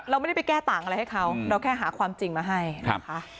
เราไม่ได้ไปแก้ต่างอะไรให้เขาเราแค่หาความจริงมาให้นะคะ